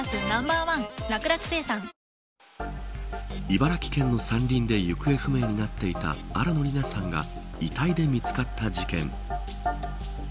茨城県の山林で行方不明になっていた新野りなさんが遺体で見つかった事件。